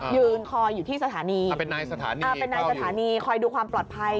ยืนคอยอยู่ที่สถานีคอยดูความปลอดภัย